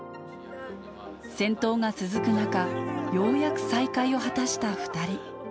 戦闘が続く中、ようやく再会を果たした２人。